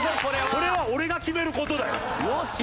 それは俺が決める事だよ！